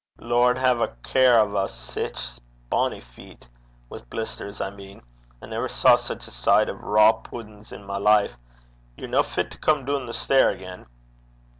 Lord hae a care o' 's! sic bonnie feet! Wi' blisters I mean. I never saw sic a sicht o' raw puddin's in my life. Ye're no fit to come doon the stair again.'